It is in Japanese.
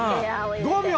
５秒！